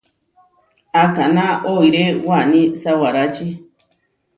Akaná oiré waní sawárači.